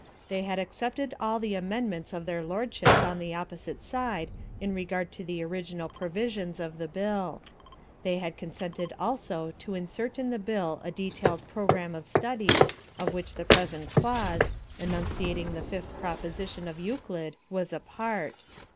They had accepted all the amendments of their Lordships on the opposite side in regard to the original provisions of the Bill. They had consented also to insert in the Bill a detailed programme of studies of which the present clause, enunciating the fifth proposition of Euclid, was a part.